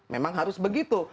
memang harus begitu